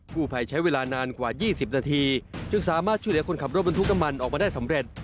ผู้ภัยใช้เวลานานกว่า๒๐นาทีจึงสามารถช่วยเหลือคนขับรถบรรทุกน้ำมันออกมาได้สำเร็จ